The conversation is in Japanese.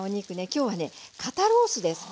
今日はね肩ロースです。